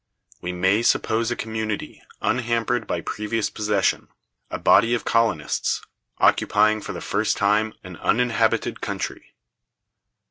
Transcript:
We may suppose a community unhampered by any previous possession; a body of colonists, occupying for the first time an uninhabited country.